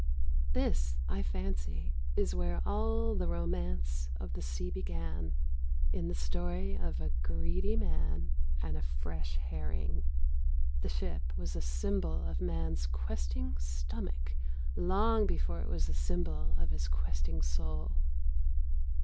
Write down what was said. This, I fancy, is where all the romance of the sea began in the story of a greedy man and a fresh herring. The ship was a symbol of man's questing stomach long before it was a symbol of his questing soul.